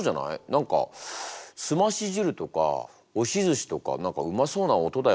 何かすまし汁とか押しずしとか何かうまそうな音だよね。